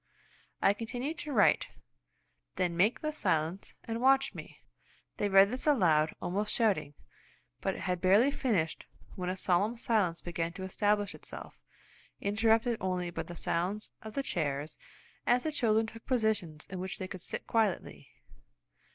I continued to write; "Then make the silence, and watch me." They read this aloud, almost shouting, but had barely finished when a solemn silence began to establish itself, interrupted only by the sounds of the chairs as the children took positions in which they could sit quietly.